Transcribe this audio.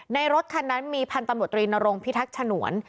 รถคันนั้นมีพันธุ์ตำรวจตรีนรงพิทักษ์ฉนวน